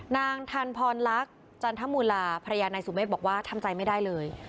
นางทันพรลักษณ์จันทมูลลาภรรยานายสุเมฆบอกว่าทำใจไม่ได้เลย